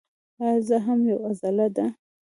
ایا زړه هم یوه عضله ده